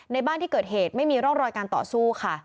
บ้านที่เกิดเหตุไม่มีร่องรอยการต่อสู้ค่ะ